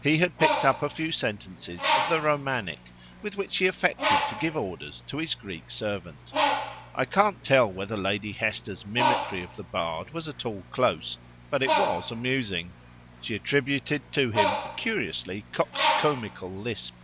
He had picked up a few sentences of the Romantic, with which he affected to give orders to his Greek servant. I can't tell whether Lady Hester's mimicry of the bard was at all close, but it was amusing; she attributed to him a curiously coxcombical lisp.